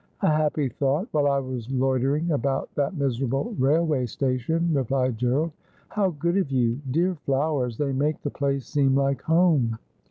' A happy thought while I was loitering about that miserable railway station,' replied Gerald. 'How good of jou! Dear flowers. They make the place seem like home.'